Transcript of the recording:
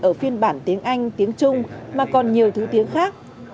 ở phiên bản tiếng anh tiếng trung mà còn nhiều thứ tiếng khác